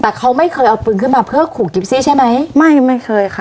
แต่เขาไม่เคยเอาปืนขึ้นมาเพื่อขู่กิฟซี่ใช่ไหมไม่ไม่เคยค่ะ